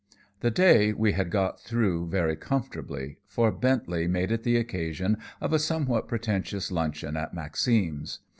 The day we had got through very comfortably, for Bentley made it the occasion of a somewhat pretentious luncheon at Maxim's.